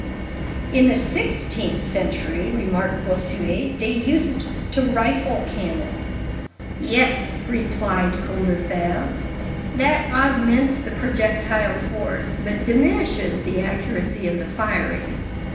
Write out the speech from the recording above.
"In the sixteenth century," remarked Bossuet, "they used to rifle cannon." "Yes," replied Combeferre, "that augments the projectile force, but diminishes the accuracy of the firing.